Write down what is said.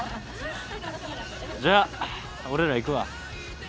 じゃあ俺ら行くわ。